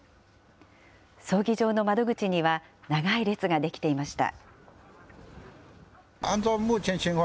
葬儀場の窓口には長い列が出来ていました。